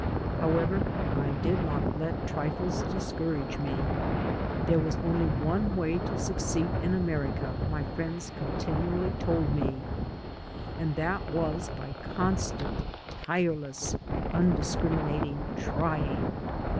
However, I did not let trifles discourage me. There was only one way to succeed in America, my friends continually told me, and that was by constant, tireless, undiscriminating trying.